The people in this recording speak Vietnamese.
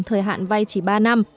thời hạn vay chỉ ba năm